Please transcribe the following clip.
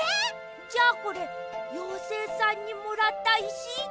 じゃあこれようせいさんにもらったいし？